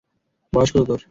বয়স কত তোর?